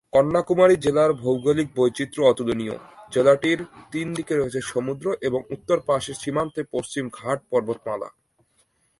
কন্যাকুমারী জেলার ভৌগোলিক বৈচিত্র্য অতুলনীয়, জেলাটির তিন দিকে রয়েছে সমুদ্র এবং উত্তর পাশের সীমান্তে পশ্চিম ঘাট পর্বতমালা।